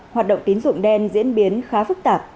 hoạt động tín dụng đen diễn ra trong các loại tội phạm